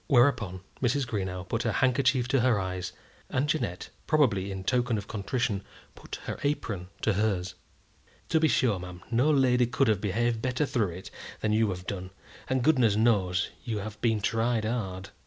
Whereupon Mrs. Greenow put her handkerchief to her eyes, and Jeannette, probably in token of contrition, put her apron to hers. "To be sure, ma'am, no lady could have behaved better through it than you have done, and goodness knows you have been tried hard."